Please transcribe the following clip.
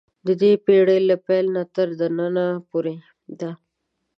د دې پېړۍ له پیله تر ننه پورې ده.